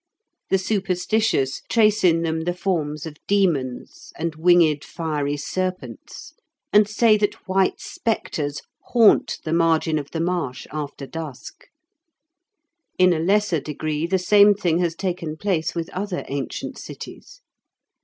The superstitious trace in them the forms of demons and winged fiery serpents, and say that white spectres haunt the margin of the marsh after dusk. In a lesser degree, the same thing has taken place with other ancient cities.